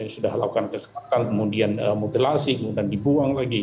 sudah lakukan kesempatan kemudian modulasi kemudian dibuang lagi